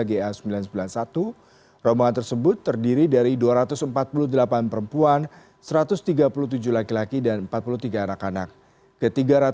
ga sembilan ratus sembilan puluh satu rombongan tersebut terdiri dari dua ratus empat puluh delapan perempuan satu ratus tiga puluh tujuh laki laki dan empat puluh tiga anak anak